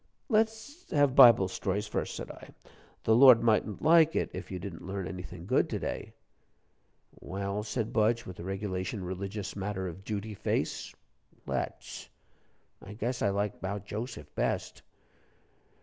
"Let's have Bible stories first," said I. "The Lord mightn't like it if you didn't learn anything good to day." "Well," said Budge, with the regulation religious matter of duty face, "let's. I guess I like 'bout Joseph best."